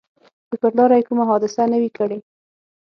چې پر لاره یې کومه حادثه نه وي کړې.